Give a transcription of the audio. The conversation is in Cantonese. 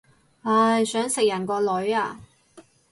唉，想食人個女啊